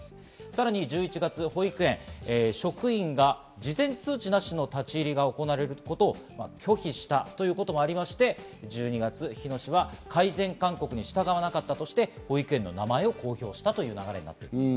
さらに１１月、保育園、職員が事前通知なしの立ち入りが行われるということを拒否したということもありまして、１２月、日野市が改善勧告に従わなかったとして保育園の名前を公表したという流れです。